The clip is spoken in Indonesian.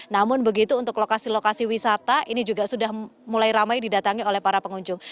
namun begitu untuk lokasi lokasi wisata ini juga sudah mulai ramai didatangi oleh para pengunjung